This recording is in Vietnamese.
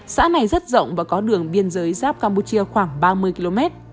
xã này rất rộng và có đường biên giới giáp campuchia khoảng ba mươi km